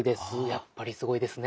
やっぱりすごいですね。